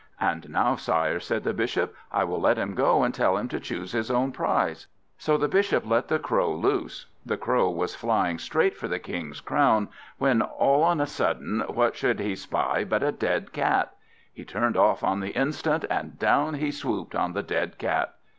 "And now, sire," said the Bishop, "I will let him go, and tell him to choose his own prize." So the Bishop let the Crow loose. The Crow was flying straight for the King's crown, when all on a sudden what should he spy but a dead cat! He turned off on the instant, and down he swooped on the dead cat.